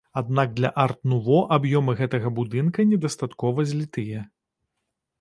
Аднак для арт-нуво аб'ёмы гэтага будынка недастаткова злітыя.